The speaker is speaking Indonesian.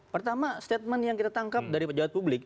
pertama statement yang kita tangkap dari pejabat publik